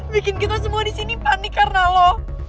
bikin kita semua di sini panik karena lo